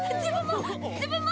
自分も！